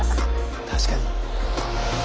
確かに。